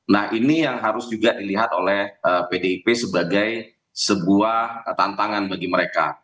nah ini yang harus juga dilihat oleh pdip sebagai sebuah tantangan bagi mereka